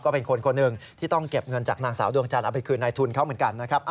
เป็นคนคนหนึ่งที่ต้องเก็บเงินจากนางสาวดวงจันทร์เอาไปคืนในทุนเขาเหมือนกันนะครับ